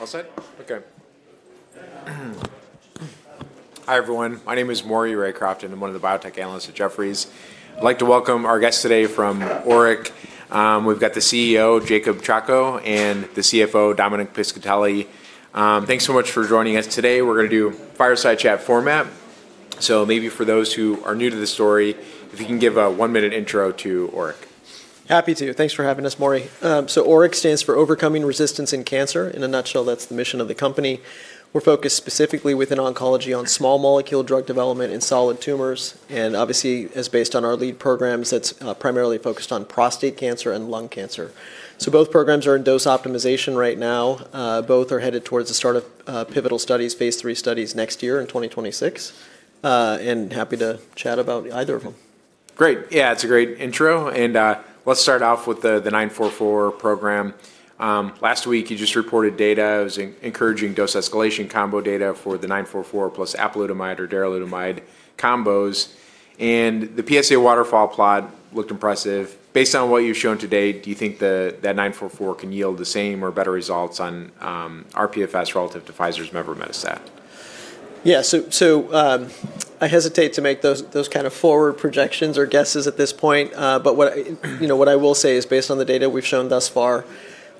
All set? Okay. Hi, everyone. My name is Maury Raycroft, and I'm one of the biotech analysts at Jefferies. I'd like to welcome our guests today from ORIC. We've got the CEO, Jacob Chacko, and the CFO, Dominic Piscitelli. Thanks so much for joining us today. We're going to do fireside chat format. Maybe for those who are new to the story, if you can give a one-minute intro to ORIC. Happy to. Thanks for having us, Maury. ORIC stands for Overcoming Resistance in Cancer. In a nutshell, that's the mission of the company. We're focused specifically within oncology on small molecule drug development in solid tumors. Obviously, as based on our lead programs, that's primarily focused on prostate cancer and lung cancer. Both programs are in dose optimization right now. Both are headed towards the start of pivotal studies, phase three studies next year in 2026. Happy to chat about either of them. Great. Yeah, it's a great intro. Let's start off with the ORIC-944 program. Last week, you just reported data. It was encouraging dose escalation combo data for the ORIC-944 plus apalutamide or daralutamide combos. The PSA waterfall plot looked impressive. Based on what you've shown today, do you think that ORIC-944 can yield the same or better results on RPFS relative to Pfizer's Mevrometostat? Yeah, I hesitate to make those kind of forward projections or guesses at this point. What I will say is, based on the data we've shown thus far,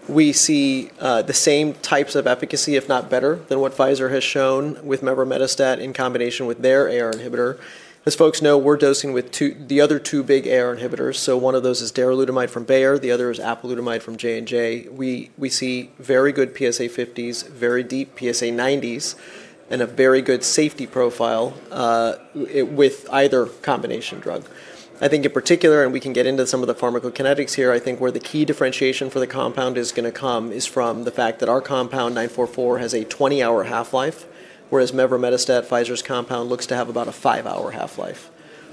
we see the same types of efficacy, if not better, than what Pfizer has shown with Mevrometostat in combination with their AR inhibitor. As folks know, we're dosing with the other two big AR inhibitors. One of those is daralutamide from Bayer. The other is apalutamide from Johnson & Johnson. We see very good PSA 50s, very deep PSA 90s, and a very good safety profile with either combination drug. I think in particular, and we can get into some of the pharmacokinetics here, I think where the key differentiation for the compound is going to come is from the fact that our compound, ORIC-944, has a 20-hour half-life, whereas Mevrometostat, Pfizer's compound, looks to have about a five-hour half-life.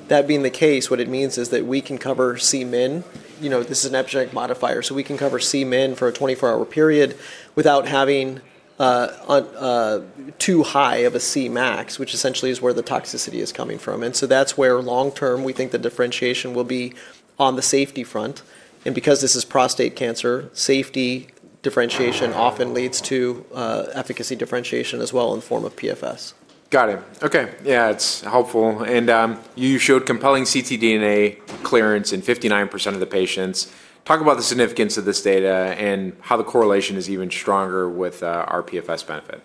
That being the case, what it means is that we can cover CMIN. This is an epigenetic modifier. So we can cover CMIN for a 24-hour period without having too high of a Cmax, which essentially is where the toxicity is coming from. That is where long-term we think the differentiation will be on the safety front. Because this is prostate cancer, safety differentiation often leads to efficacy differentiation as well in the form of PFS. Got it. Okay. Yeah, it's helpful. And you showed compelling ctDNA clearance in 59% of the patients. Talk about the significance of this data and how the correlation is even stronger with RPFS benefit.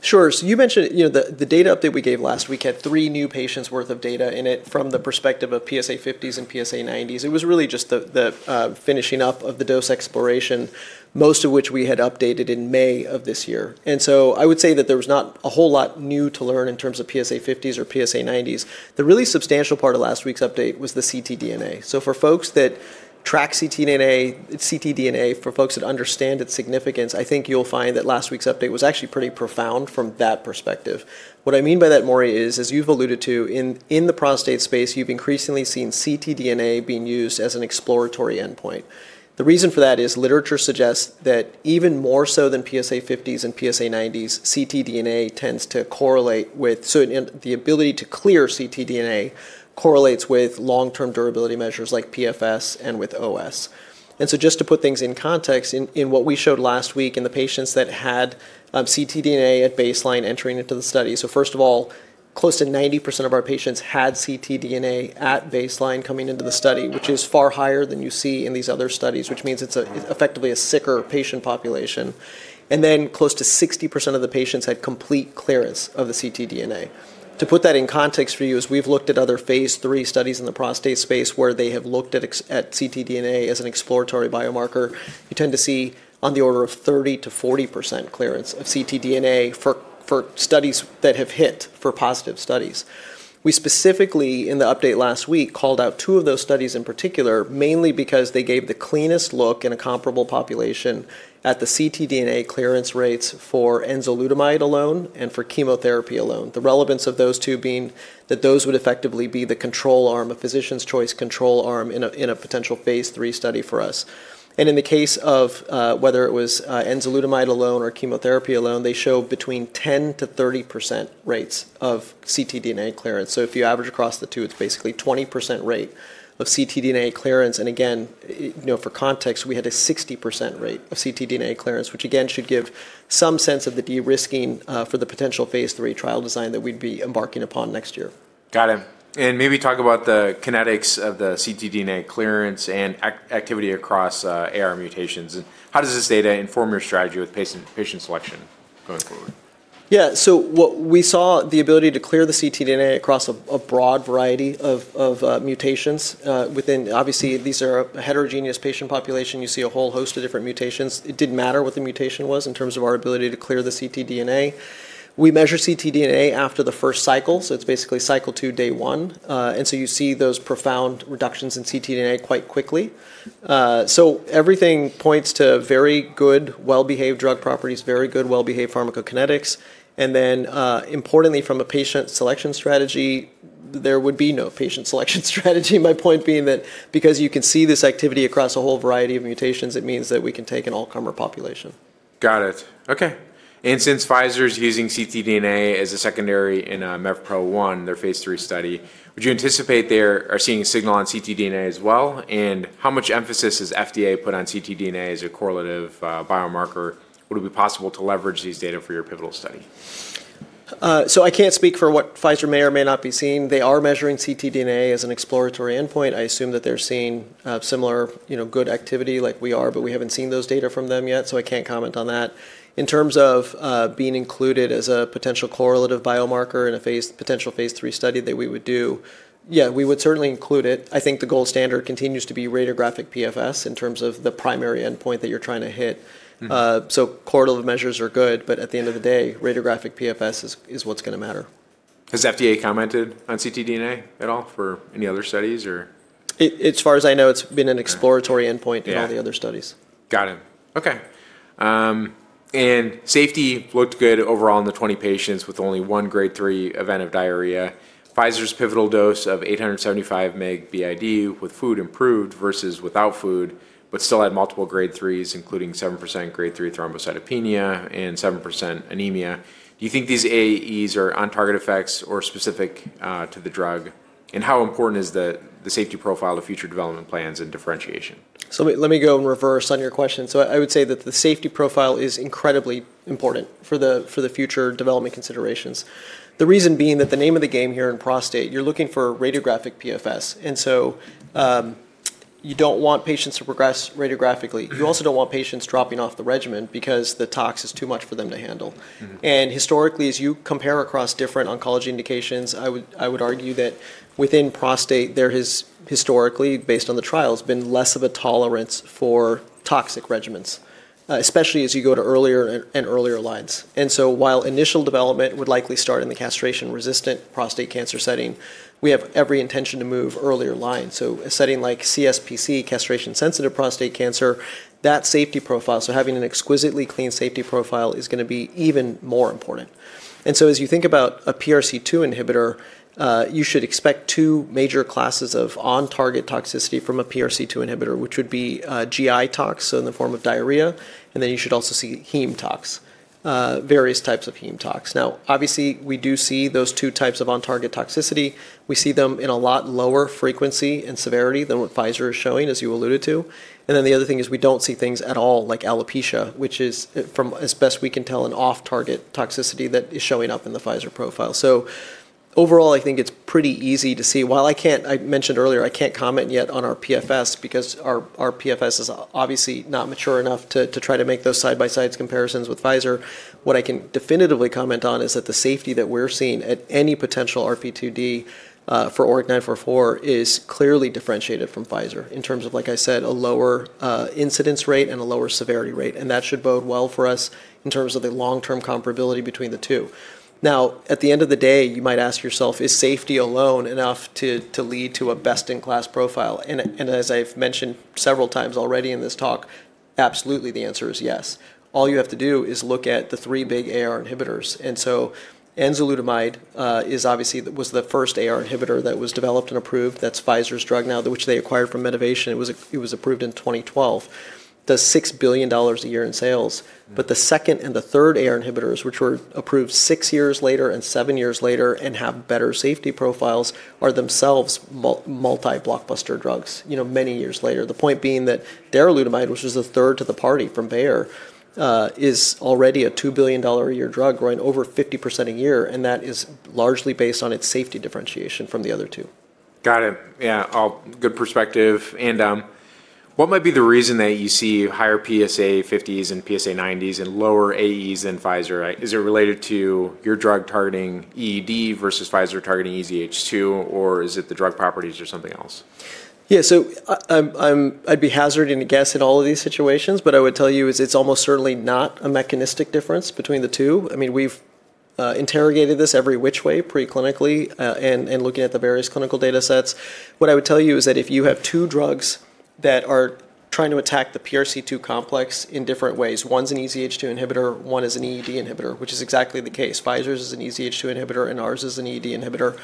Sure. You mentioned the data update we gave last week had three new patients' worth of data in it from the perspective of PSA 50s and PSA 90s. It was really just the finishing up of the dose exploration, most of which we had updated in May of this year. I would say that there was not a whole lot new to learn in terms of PSA 50s or PSA 90s. The really substantial part of last week's update was the ctDNA. For folks that track ctDNA, for folks that understand its significance, I think you'll find that last week's update was actually pretty profound from that perspective. What I mean by that, Maury, is, as you've alluded to, in the prostate space, you've increasingly seen ctDNA being used as an exploratory endpoint. The reason for that is literature suggests that even more so than PSA 50s and PSA 90s, ctDNA tends to correlate with, so the ability to clear ctDNA correlates with long-term durability measures like PFS and with OS. Just to put things in context, in what we showed last week in the patients that had ctDNA at baseline entering into the study, first of all, close to 90% of our patients had ctDNA at baseline coming into the study, which is far higher than you see in these other studies, which means it's effectively a sicker patient population. Then close to 60% of the patients had complete clearance of the ctDNA. To put that in context for you is we've looked at other phase three studies in the prostate space where they have looked at ctDNA as an exploratory biomarker. You tend to see on the order of 30%-40% clearance of ctDNA for studies that have hit for positive studies. We specifically, in the update last week, called out two of those studies in particular, mainly because they gave the cleanest look in a comparable population at the ctDNA clearance rates for enzalutamide alone and for chemotherapy alone, the relevance of those two being that those would effectively be the control arm, a physician's choice control arm in a potential phase III study for us. In the case of whether it was enzalutamide alone or chemotherapy alone, they show between 10%-30% rates of ctDNA clearance. If you average across the two, it's basically a 20% rate of ctDNA clearance. For context, we had a 60% rate of ctDNA clearance, which again should give some sense of the de-risking for the potential phase III trial design that we'd be embarking upon next year. Got it. Maybe talk about the kinetics of the ctDNA clearance and activity across AR mutations. How does this data inform your strategy with patient selection going forward? Yeah, what we saw, the ability to clear the ctDNA across a broad variety of mutations within, obviously, these are a heterogeneous patient population. You see a whole host of different mutations. It didn't matter what the mutation was in terms of our ability to clear the ctDNA. We measure ctDNA after the first cycle. It is basically cycle two, day one. You see those profound reductions in ctDNA quite quickly. Everything points to very good, well-behaved drug properties, very good, well-behaved pharmacokinetics. Importantly, from a patient selection strategy, there would be no patient selection strategy, my point being that because you can see this activity across a whole variety of mutations, it means that we can take an all-comer population. Got it. Okay. Since Pfizer is using ctDNA as a secondary in MEVPRO-1, their phase three study, would you anticipate they are seeing a signal on ctDNA as well? How much emphasis is FDA put on ctDNA as a correlative biomarker? Would it be possible to leverage these data for your pivotal study? I can't speak for what Pfizer may or may not be seeing. They are measuring ctDNA as an exploratory endpoint. I assume that they're seeing similar good activity like we are, but we haven't seen those data from them yet. I can't comment on that. In terms of being included as a potential correlative biomarker in a potential phase III study that we would do, yeah, we would certainly include it. I think the gold standard continues to be radiographic PFS in terms of the primary endpoint that you're trying to hit. Correlative measures are good, but at the end of the day, radiographic PFS is what's going to matter. Has FDA commented on ctDNA at all for any other studies? As far as I know, it's been an exploratory endpoint in all the other studies. Got it. Okay. Safety looked good overall in the 20 patients with only one grade 3 event of diarrhea. Pfizer's pivotal dose of 875 mg b.i.d. with food improved versus without food, but still had multiple grade 3s, including 7% grade 3 thrombocytopenia and 7% anemia. Do you think these AEs are on-target effects or specific to the drug? How important is the safety profile of future development plans and differentiation? Let me go and reverse on your question. I would say that the safety profile is incredibly important for the future development considerations. The reason being that the name of the game here in prostate, you're looking for radiographic PFS. You don't want patients to progress radiographically. You also don't want patients dropping off the regimen because the tox is too much for them to handle. Historically, as you compare across different oncology indications, I would argue that within prostate, there has historically, based on the trials, been less of a tolerance for toxic regimens, especially as you go to earlier and earlier lines. While initial development would likely start in the castration-resistant prostate cancer setting, we have every intention to move earlier lines. A setting like CSPC, castration-sensitive prostate cancer, that safety profile, so having an exquisitely clean safety profile, is going to be even more important. As you think about a PRC2 inhibitor, you should expect two major classes of on-target toxicity from a PRC2 inhibitor, which would be GI tox, so in the form of diarrhea. You should also see heme tox, various types of heme tox. Obviously, we do see those two types of on-target toxicity. We see them in a lot lower frequency and severity than what Pfizer is showing, as you alluded to. The other thing is we do not see things at all like alopecia, which is, as best we can tell, an off-target toxicity that is showing up in the Pfizer profile. Overall, I think it's pretty easy to see. While I can't, I mentioned earlier, I can't comment yet on our PFS because our PFS is obviously not mature enough to try to make those side-by-side comparisons with Pfizer. What I can definitively comment on is that the safety that we're seeing at any potential RP2D for ORIC-944 is clearly differentiated from Pfizer in terms of, like I said, a lower incidence rate and a lower severity rate. That should bode well for us in terms of the long-term comparability between the two. Now, at the end of the day, you might ask yourself, is safety alone enough to lead to a best-in-class profile? As I've mentioned several times already in this talk, absolutely the answer is yes. All you have to do is look at the three big AR inhibitors. Enzalutamide was the first AR inhibitor that was developed and approved. That's Pfizer's drug now, which they acquired from Medivation. It was approved in 2012, does $6 billion a year in sales. The second and the third AR inhibitors, which were approved six years later and seven years later and have better safety profiles, are themselves multi-blockbuster drugs many years later. The point being that daralutamide, which is a third to the party from Bayer, is already a $2 billion a year drug, growing over 50% a year. That is largely based on its safety differentiation from the other two. Got it. Yeah, good perspective. What might be the reason that you see higher PSA 50s and PSA 90s and lower AEs in Pfizer? Is it related to your drug targeting EED versus Pfizer targeting EZH2, or is it the drug properties or something else? Yeah, I'd be hazarding a guess in all of these situations, but I would tell you it's almost certainly not a mechanistic difference between the two. I mean, we've interrogated this every which way preclinically and looking at the various clinical data sets. What I would tell you is that if you have two drugs that are trying to attack the PRC2 complex in different ways, one's an EZH2 inhibitor, one is an EED inhibitor, which is exactly the case. Pfizer's is an EZH2 inhibitor, and ours is an EED inhibitor.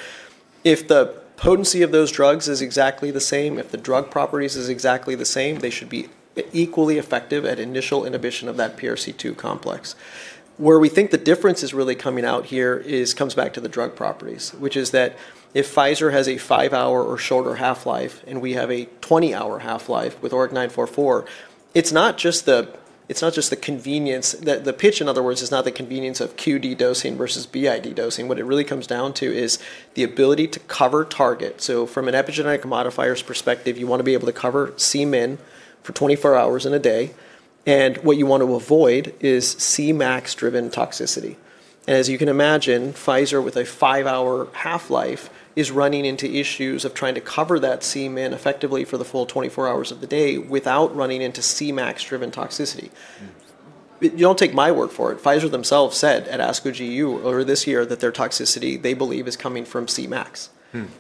If the potency of those drugs is exactly the same, if the drug properties are exactly the same, they should be equally effective at initial inhibition of that PRC2 complex. Where we think the difference is really coming out here comes back to the drug properties, which is that if Pfizer has a five-hour or shorter half-life and we have a 20-hour half-life with ORIC-944, it's not just the convenience that the pitch, in other words, is not the convenience of QD dosing versus b.i.d. dosing. What it really comes down to is the ability to cover target. From an epigenetic modifier's perspective, you want to be able to cover CMIN for 24 hours in a day. What you want to avoid is Cmax-driven toxicity. As you can imagine, Pfizer with a five-hour half-life is running into issues of trying to cover that CMIN effectively for the full 24 hours of the day without running into Cmax-driven toxicity. You don't take my word for it. Pfizer themselves said at ASCO GU earlier this year that their toxicity, they believe, is coming from Cmax.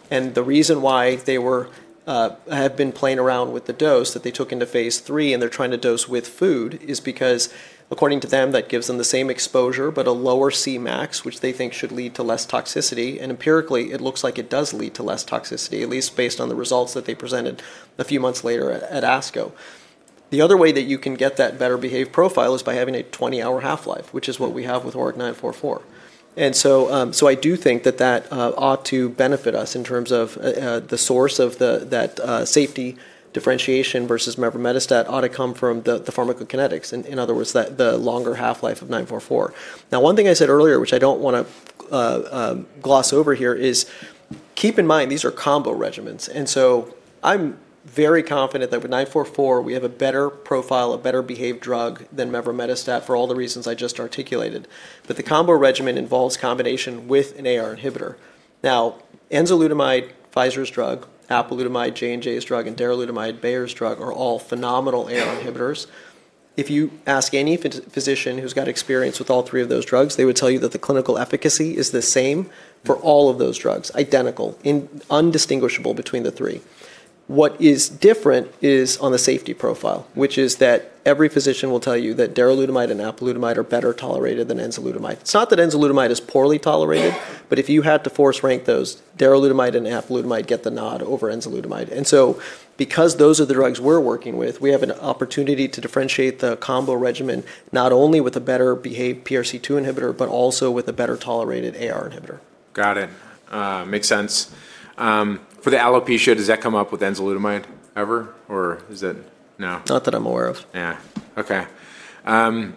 The reason why they have been playing around with the dose that they took into phase three and they're trying to dose with food is because, according to them, that gives them the same exposure but a lower Cmax, which they think should lead to less toxicity. Empirically, it looks like it does lead to less toxicity, at least based on the results that they presented a few months later at ASCO. The other way that you can get that better behaved profile is by having a 20-hour half-life, which is what we have with ORIC-944. I do think that that ought to benefit us in terms of the source of that safety differentiation versus Mevrometostat ought to come from the pharmacokinetics, in other words, the longer half-life of ORIC-944. One thing I said earlier, which I do not want to gloss over here, is keep in mind these are combo regimens. I am very confident that with ORIC-944, we have a better profile, a better behaved drug than Mevrometostat for all the reasons I just articulated. The combo regimen involves combination with an AR inhibitor. Enzalutamide, Pfizer's drug, apalutamide, Johnson & Johnson's drug, and daralutamide, Bayer's drug are all phenomenal AR inhibitors. If you ask any physician who has got experience with all three of those drugs, they would tell you that the clinical efficacy is the same for all of those drugs, identical, undistinguishable between the three. What is different is on the safety profile, which is that every physician will tell you that daralutamide and apalutamide are better tolerated than enzalutamide. It's not that enzalutamide is poorly tolerated, but if you had to force rank those, daralutamide and apalutamide get the nod over enzalutamide. Because those are the drugs we're working with, we have an opportunity to differentiate the combo regimen not only with a better behaved PRC2 inhibitor, but also with a better tolerated AR inhibitor. Got it. Makes sense. For the alopecia, does that come up with enzalutamide ever, or is that no? Not that I'm aware of. Yeah. Okay. You are going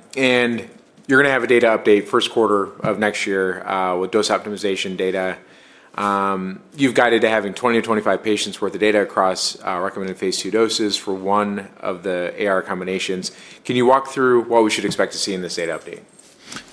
to have a data update first quarter of next year with dose optimization data. You have guided to having 20 patients-25 patients' worth of data across recommended phase two doses for one of the AR combinations. Can you walk through what we should expect to see in this data update?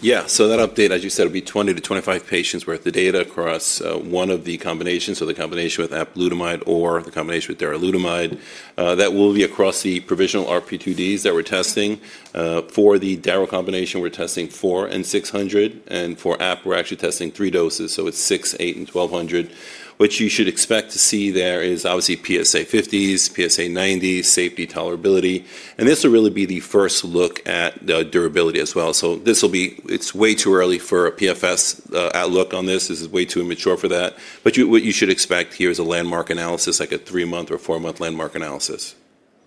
Yeah. So that update, as you said, will be 20-25 patients' worth of data across one of the combinations, so the combination with apalutamide or the combination with daralutamide. That will be across the provisional RP2Ds that we're testing. For the daralutamide combination, we're testing 4 and 600. And for apalutamide, we're actually testing three doses. So it's 6, 8, and 1,200. What you should expect to see there is obviously PSA 50s, PSA 90s, safety, tolerability. This will really be the first look at the durability as well. It is way too early for a PFS outlook on this. This is way too immature for that. What you should expect here is a landmark analysis, like a three-month or four-month landmark analysis.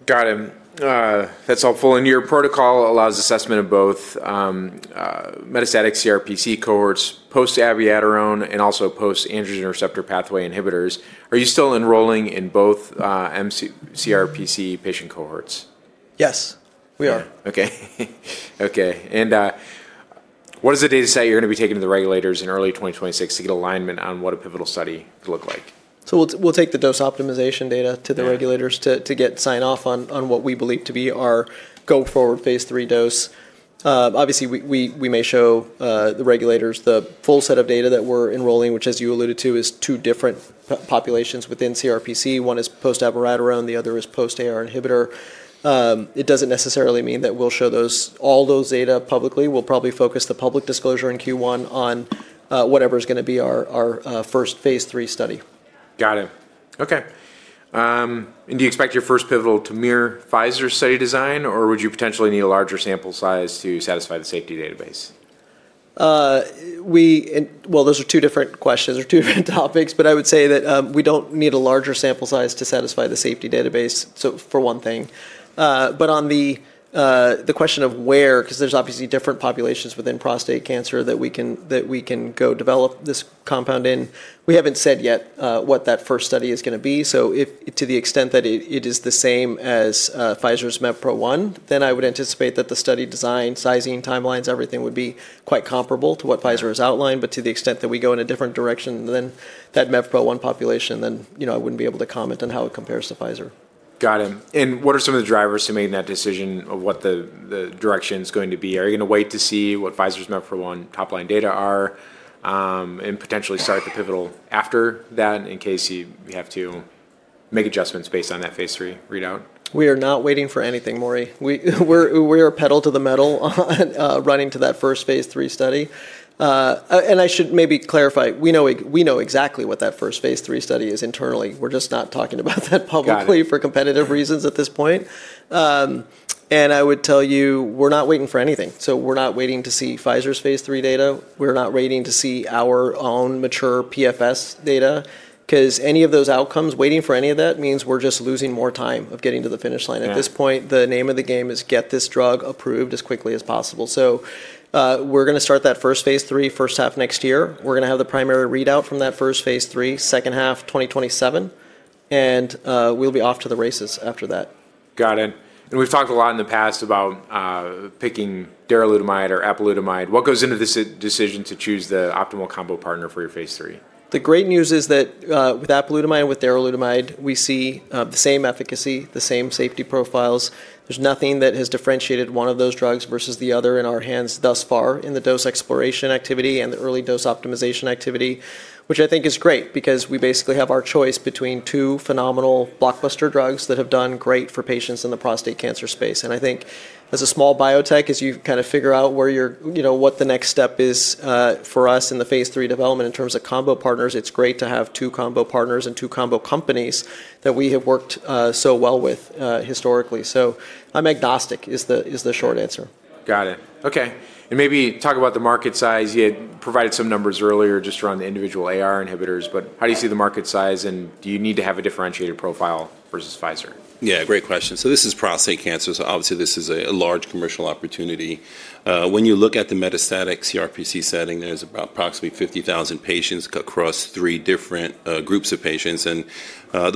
Got it. That's helpful. Your protocol allows assessment of both metastatic CRPC cohorts, post-abiraterone, and also post-androgen receptor pathway inhibitors. Are you still enrolling in both CRPC patient cohorts? Yes, we are. Okay. Okay. What is the data set you're going to be taking to the regulators in early 2026 to get alignment on what a pivotal study would look like? We will take the dose optimization data to the regulators to get sign-off on what we believe to be our go-forward phase III dose. Obviously, we may show the regulators the full set of data that we are enrolling, which, as you alluded to, is two different populations within CRPC. One is post-abiraterone. The other is post-AR inhibitor. It does not necessarily mean that we will show all those data publicly. We will probably focus the public disclosure in Q1 on whatever is going to be our first phase three study. Got it. Okay. Do you expect your first pivotal to mirror Pfizer's study design, or would you potentially need a larger sample size to satisfy the safety database? Those are two different questions or two different topics, but I would say that we don't need a larger sample size to satisfy the safety database, for one thing. On the question of where, because there's obviously different populations within prostate cancer that we can go develop this compound in, we haven't said yet what that first study is going to be. To the extent that it is the same as Pfizer's MEVPRO-1, then I would anticipate that the study design, sizing, timelines, everything would be quite comparable to what Pfizer has outlined. To the extent that we go in a different direction than that MEVPRO-1 population, then I wouldn't be able to comment on how it compares to Pfizer. Got it. What are some of the drivers to making that decision of what the direction is going to be? Are you going to wait to see what Pfizer's MEVPRO-1 top-line data are and potentially start the pivotal after that in case you have to make adjustments based on that phase three readout? We are not waiting for anything, Maury. We are pedal to the metal running to that first phase three study. I should maybe clarify. We know exactly what that first phase III study is internally. We're just not talking about that publicly for competitive reasons at this point. I would tell you, we're not waiting for anything. We're not waiting to see Pfizer's phase III data. We're not waiting to see our own mature PFS data because any of those outcomes, waiting for any of that means we're just losing more time of getting to the finish line. At this point, the name of the game is get this drug approved as quickly as possible. We're going to start that first phase III first half next year. We're going to have the primary readout from that first phase III, second half 2027, and we'll be off to the races after that. Got it. We have talked a lot in the past about picking daralutamide or apalutamide. What goes into this decision to choose the optimal combo partner for your phase III? The great news is that with apalutamide and with daralutamide, we see the same efficacy, the same safety profiles. There is nothing that has differentiated one of those drugs versus the other in our hands thus far in the dose exploration activity and the early dose optimization activity, which I think is great because we basically have our choice between two phenomenal blockbuster drugs that have done great for patients in the prostate cancer space. I think as a small biotech, as you kind of figure out what the next step is for us in the phase III development in terms of combo partners, it is great to have two combo partners and two combo companies that we have worked so well with historically. I am agnostic is the short answer. Got it. Okay. Maybe talk about the market size. You had provided some numbers earlier just around the individual AR inhibitors, but how do you see the market size and do you need to have a differentiated profile versus Pfizer? Yeah, great question. This is prostate cancer. Obviously, this is a large commercial opportunity. When you look at the metastatic CRPC setting, there's approximately 50,000 patients across three different groups of patients. The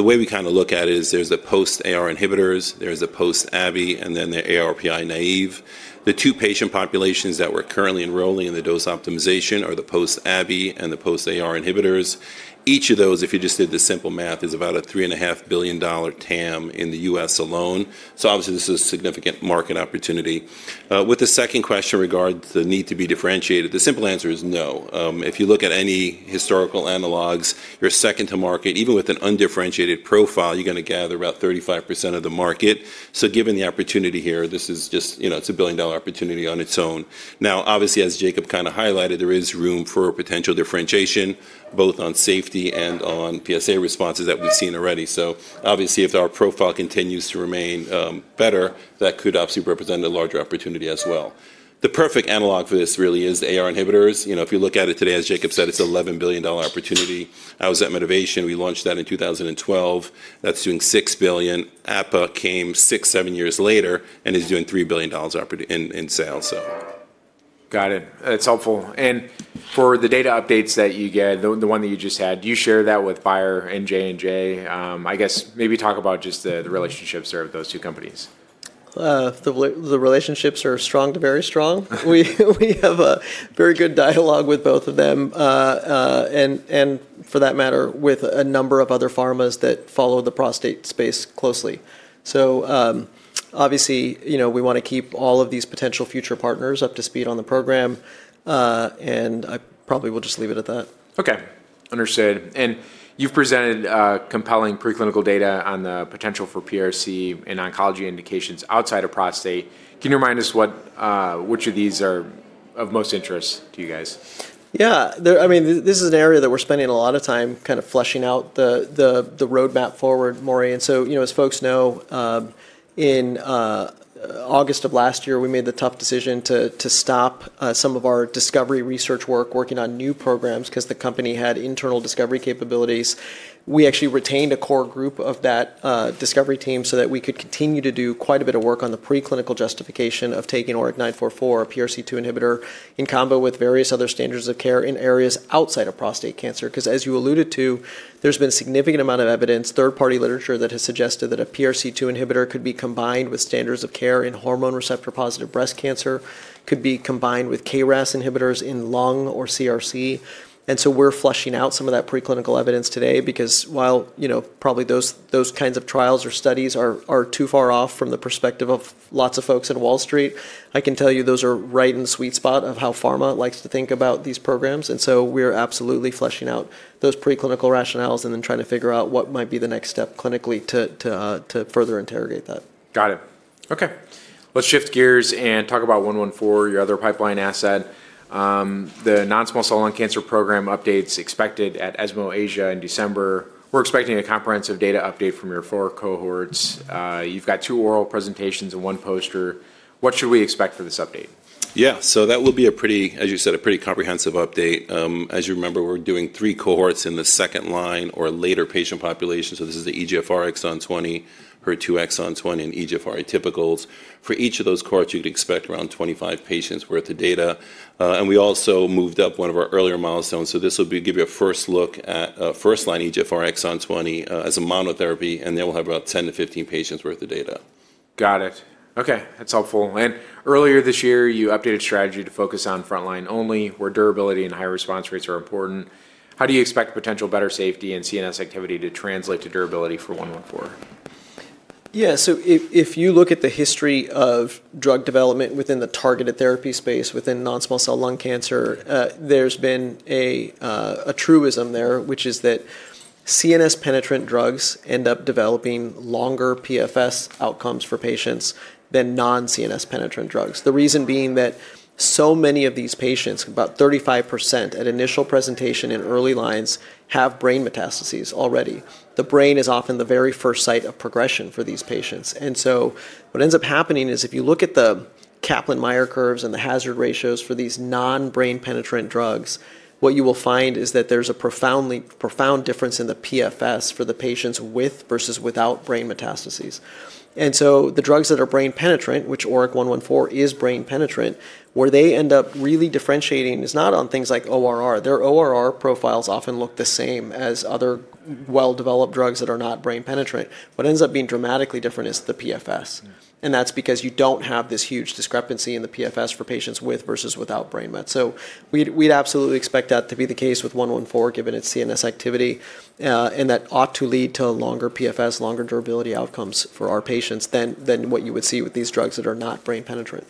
way we kind of look at it is there's the post-AR inhibitors, there's the post-AVI, and then the ARPI naive. The two patient populations that we're currently enrolling in the dose optimization are the post-AVI and the post-AR inhibitors. Each of those, if you just did the simple math, is about a $3.5 billion TAM in the U.S. alone. Obviously, this is a significant market opportunity. With the second question regarding the need to be differentiated, the simple answer is no. If you look at any historical analogs, you're second to market. Even with an undifferentiated profile, you're going to gather about 35% of the market. Given the opportunity here, this is just, it's a billion-dollar opportunity on its own. Now, obviously, as Jacob kind of highlighted, there is room for potential differentiation both on safety and on PSA responses that we've seen already. Obviously, if our profile continues to remain better, that could obviously represent a larger opportunity as well. The perfect analog for this really is the AR inhibitors. If you look at it today, as Jacob said, it's an $11 billion opportunity. I was at Medivation. We launched that in 2012. That's doing $6 billion. APA came six, seven years later and is doing $3 billion in sales, so. Got it. That's helpful. For the data updates that you get, the one that you just had, do you share that with Bayer and Johnson & Johnson? I guess maybe talk about just the relationships there with those two companies. The relationships are strong to very strong. We have a very good dialogue with both of them and, for that matter, with a number of other pharmas that follow the prostate space closely. Obviously, we want to keep all of these potential future partners up to speed on the program, and I probably will just leave it at that. Okay. Understood. You have presented compelling preclinical data on the potential for PRC2 in oncology indications outside of prostate. Can you remind us which of these are of most interest to you guys? Yeah. I mean, this is an area that we're spending a lot of time kind of flushing out the roadmap forward, Maury. As folks know, in August of last year, we made the tough decision to stop some of our discovery research work working on new programs because the company had internal discovery capabilities. We actually retained a core group of that discovery team so that we could continue to do quite a bit of work on the preclinical justification of taking ORIC-944, a PRC2 inhibitor, in combo with various other standards of care in areas outside of prostate cancer. As you alluded to, there's been a significant amount of evidence, third-party literature that has suggested that a PRC2 inhibitor could be combined with standards of care in hormone receptor-positive breast cancer, could be combined with KRAS inhibitors in lung or CRC. We're flushing out some of that preclinical evidence today because while probably those kinds of trials or studies are too far off from the perspective of lots of folks in Wall Street, I can tell you those are right in the sweet spot of how pharma likes to think about these programs. We're absolutely flushing out those preclinical rationales and then trying to figure out what might be the next step clinically to further interrogate that. Got it. Okay. Let's shift gears and talk about ORIC-114, your other pipeline asset. The non-small cell lung cancer program updates expected at ESMO Asia in December. We're expecting a comprehensive data update from your four cohorts. You've got two oral presentations and one poster. What should we expect for this update? Yeah. That will be a pretty, as you said, a pretty comprehensive update. As you remember, we're doing three cohorts in the second line or later patient population. This is the EGFR Exon 20, HER2 Exon 20, and EGFR atypicals. For each of those cohorts, you'd expect around 25 patients' worth of data. We also moved up one of our earlier milestones. This will give you a first look at first-line EGFR Exon 20 as a monotherapy, and then we'll have about 10 patients-15 patients' worth of data. Got it. Okay. That's helpful. Earlier this year, you updated strategy to focus on frontline only where durability and high response rates are important. How do you expect potential better safety and CNS activity to translate to durability for ORIC-114? Yeah. If you look at the history of drug development within the targeted therapy space within non-small cell lung cancer, there's been a truism there, which is that CNS-penetrant drugs end up developing longer PFS outcomes for patients than non-CNS-penetrant drugs. The reason being that so many of these patients, about 35% at initial presentation in early lines, have brain metastases already. The brain is often the very first site of progression for these patients. What ends up happening is if you look at the Kaplan-Meier curves and the hazard ratios for these non-brain-penetrant drugs, what you will find is that there's a profound difference in the PFS for the patients with versus without brain metastases. The drugs that are brain-penetrant, which ORIC-114 is brain-penetrant, where they end up really differentiating is not on things like ORR. Their ORR profiles often look the same as other well-developed drugs that are not brain-penetrant. What ends up being dramatically different is the PFS. That is because you do not have this huge discrepancy in the PFS for patients with versus without brain metastases. We would absolutely expect that to be the case with ORIC-114 given its CNS activity. That ought to lead to longer PFS, longer durability outcomes for our patients than what you would see with these drugs that are not brain-penetrant.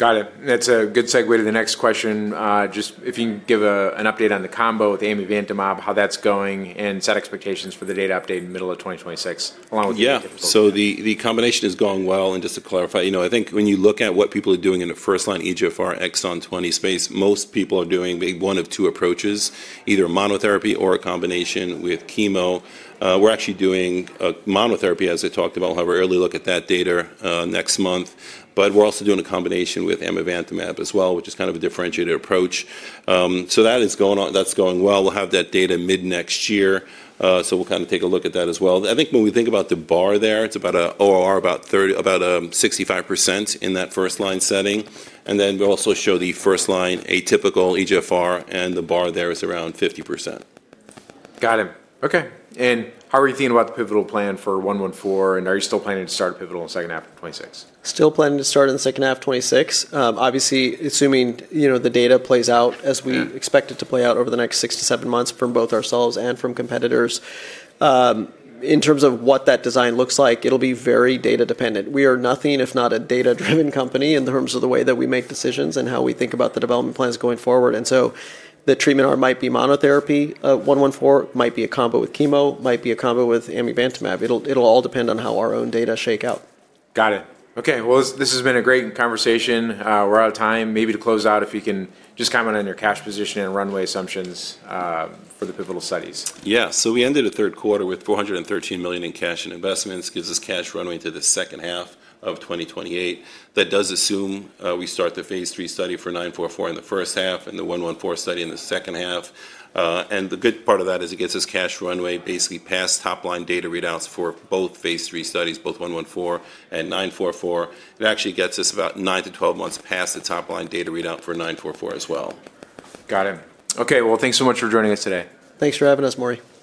Got it. That's a good segue to the next question. Just if you can give an update on the combo with amivantamab, how that's going, and set expectations for the data update in the middle of 2026, along with the atypicals. Yeah. The combination is going well. Just to clarify, I think when you look at what people are doing in the first-line EGFR exon 20 space, most people are doing one of two approaches, either monotherapy or a combination with chemo. We're actually doing monotherapy, as I talked about. We'll have an early look at that data next month. We're also doing a combination with amivantamab as well, which is kind of a differentiated approach. That is going on. That's going well. We'll have that data mid-next year. We'll kind of take a look at that as well. I think when we think about the bar there, it's about an ORR about 65% in that first-line setting. We also show the first-line atypical EGFR, and the bar there is around 50%. Got it. Okay. How are you feeling about the pivotal plan for ORIC-114? Are you still planning to start pivotal in the second half of 2026? Still planning to start in the second half of 2026. Obviously, assuming the data plays out as we expect it to play out over the next six to seven months from both ourselves and from competitors. In terms of what that design looks like, it will be very data-dependent. We are nothing, if not a data-driven company in terms of the way that we make decisions and how we think about the development plans going forward. The treatment arm might be monotherapy of ORIC-114, might be a combo with chemo, might be a combo with amivantamab. It will all depend on how our own data shake out. Got it. Okay. This has been a great conversation. We're out of time. Maybe to close out, if you can just comment on your cash position and runway assumptions for the pivotal studies. Yeah. We ended the third quarter with $413 million in cash and investments. Gives us cash runway into the second half of 2028. That does assume we start the phase three study for ORIC-944 in the first half and the ORIC-114 study in the second half. The good part of that is it gets us cash runway basically past top-line data readouts for both phase three studies, both ORIC-114 and ORIC-944. It actually gets us about 9-12 months past the top-line data readout for ORIC-944 as well. Got it. Okay. Thanks so much for joining us today. Thanks for having us, Maury.